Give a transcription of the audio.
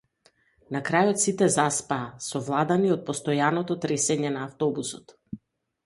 На крајот сите заспаа, совладани од постојаното тресење на автобусот.